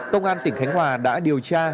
công an tỉnh khánh hòa đã điều tra